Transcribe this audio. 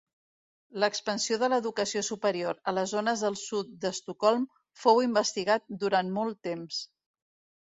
L'expansió de l'educació superior a les zones del sud d'Estocolm fou investigat durant molt temps.